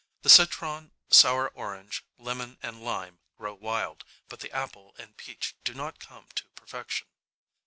The citron, sour orange, lemon and lime grow wild; but the apple and peach do not come to perfection.